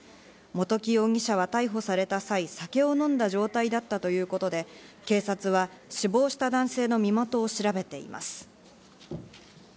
元木容疑者は逮捕した際、酒を飲んだ状態だったということで警察は死亡した男性の身元を調べています。